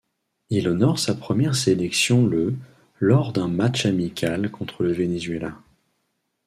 Il honore sa première sélection le lors d'un match amical contre le Venezuela.